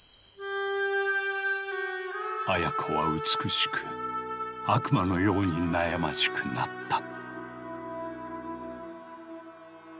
アヤ子は美しく悪魔のように悩ましくなった。